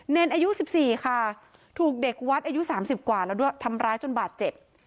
เนรอายุ๑๔ค่ะถูกเด็กวัดอายุ๓๐กว่าแล้วด้วยทำร้ายจนบาดเจ็บ